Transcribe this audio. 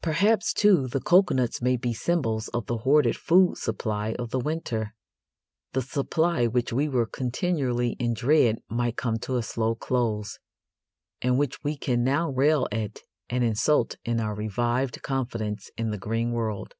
Perhaps, too, the coconuts may be symbols of the hoarded food supply of the winter the supply which we were continually in dread might come to a slow close, and which we can now rail at and insult in our revived confidence in the green world.